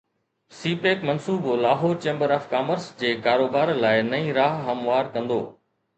سي pack منصوبو Lahore chamber of commerce جي ڪاروبار لاءِ نئين راهه هموار ڪندو